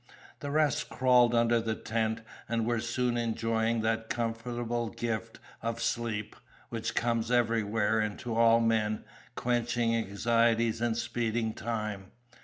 The rest crawled under the tent, and were soon enjoying that comfortable gift of sleep, which comes everywhere and to all men, quenching anxieties and speeding time.